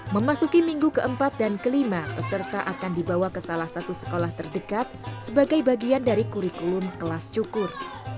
memasuki minggu keempat dan kelima peserta akan dibawa ke salah satu sekolah terdekat sebagai bagian dari kurikulum kelas cukur